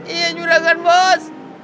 iya juragan bos